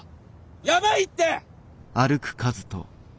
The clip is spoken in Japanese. やばいって！